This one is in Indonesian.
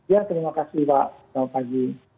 ya terima kasih pak